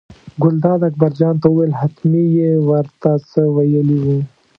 ګلداد اکبرجان ته وویل حتمي یې ور ته څه ویلي وو.